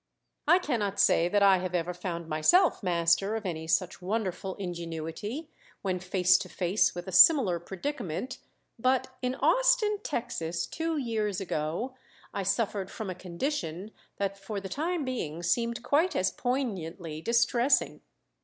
I cannot say that I have ever found myself master of any such wonderful ingenuity when face to face with a similar predicament; but in Austin, Texas, two years ago I suffered from a condition that for the time being seemed quite as poignantly distressing.